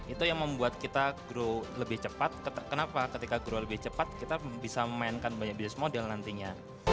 itu yang membuat kita grow lebih cepat kenapa ketika grow lebih cepat kita bisa memainkan banyak business model nantinya